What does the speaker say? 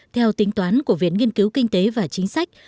theo tính toán của viện nghiên cứu kinh tế và chính sách